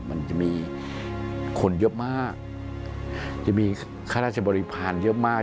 มันจะมีคนเยอะมากจะมีข้าราชบริพาณเยอะมาก